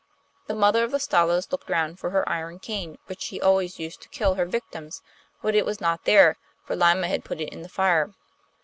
The mother of the Stalos looked round for her iron cane, which she always used to kill her victims, but it was not there, for Lyma had put it in the fire.